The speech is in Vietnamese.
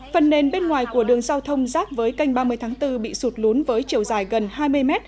phần nền bên ngoài của đường giao thông rác với canh ba mươi tháng bốn bị sụt lún với chiều dài gần hai mươi mét